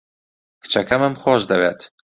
کچەکەمم خۆش دەوێت.